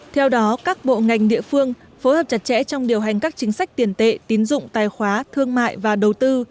theo đó các bộ ngành địa phương phối hợp chặt chẽ trong điều hành các chính sách tiền tệ tín dụng tài khoá thương mại và đầu tư